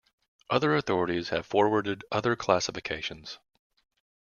Other authorities have forwarded other classifications.